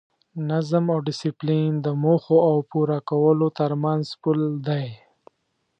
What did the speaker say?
نظم او ډیسپلین د موخو او پوره کولو ترمنځ پل دی.